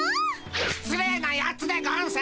しつ礼なやつでゴンス！